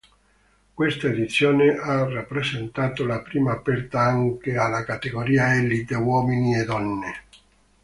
Questa edizione ha rappresentato la prima aperta anche alla categoria Elite, uomini e donne.